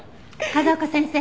風丘先生。